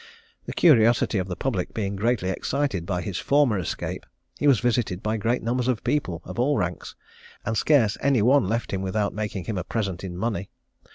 The curiosity of the public being greatly excited by his former escape, he was visited by great numbers of people of all ranks, and scarce any one left him without making him a present in money.